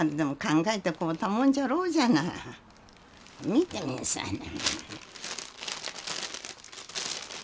見てみんさいな。